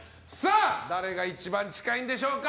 誰が一番近いんでしょうか。